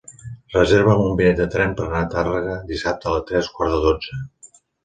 Reserva'm un bitllet de tren per anar a Tàrrega dissabte a tres quarts de dotze.